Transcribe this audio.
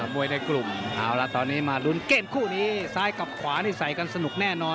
มวยในกลุ่มเอาละตอนนี้มาลุ้นเกมคู่นี้ซ้ายกับขวานี่ใส่กันสนุกแน่นอน